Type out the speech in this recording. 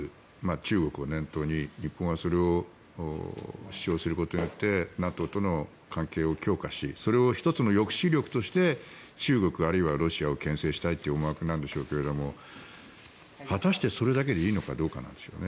中国を念頭に日本はそれを主張することによってＮＡＴＯとの関係を強化しそれを１つの抑止力として中国あるいはロシアをけん制したいという思惑なんでしょうが果たして、それだけでいいのかどうかなんですよね。